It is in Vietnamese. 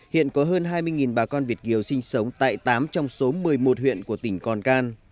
hiện có hơn hai mươi bà con việt kiều sinh sống tại tám trong số một mươi một huyện của tỉnh còn can